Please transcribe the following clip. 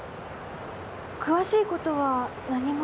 詳しいことは何も。